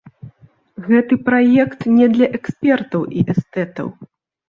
Гэты праект не для экспертаў і эстэтаў.